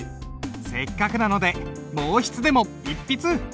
せっかくなので毛筆でも一筆！